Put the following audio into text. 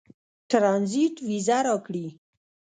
ټرنزیټ وېزه راکړي.